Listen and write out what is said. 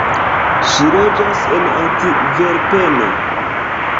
Ŝi loĝas en Antverpeno.